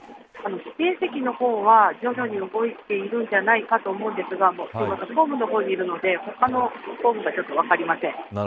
指定席の方は徐々に動いているんじゃないかと思うんですがホームの方にいるので他のホームは分かりません。